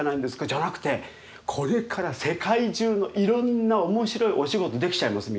じゃなくてこれから世界中のいろんな面白いお仕事できちゃいます